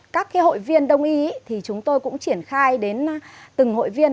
các hội viên đông y thì chúng tôi cũng triển khai đến từng hội viên